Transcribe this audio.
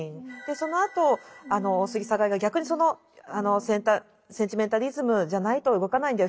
そのあと大杉栄が逆に「センチメンタリズムじゃないと動かないんだよ